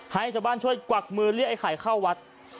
ให้ชาวบ้านช่วยกวักมือเรียกไอ้ไข่เข้าวัด